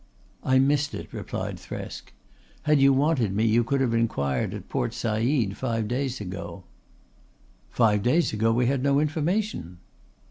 "I missed it," replied Thresk. "Had you wanted me you could have inquired at Port Said five days ago." "Five days ago we had no information."